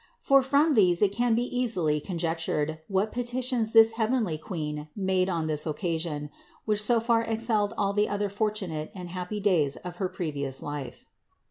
For from these it can easily be conjectured what petitions this heavenly Queen made on this occasion, which so far excelled all the other fortunate and happy days of her previous life.